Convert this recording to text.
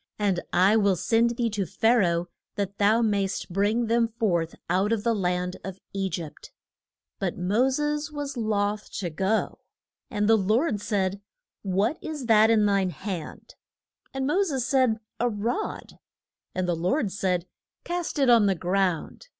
And I will send thee to Pha ra oh that thou mayst bring them forth out of the land of E gypt. But Mo ses was loth to go. [Illustration: MO SES BROUGHT BE FORE PHA RA OH'S DAUGH TER.] And the Lord said, What is that in thine hand? And Mo ses said, A rod, And the Lord said, Cast it on the ground.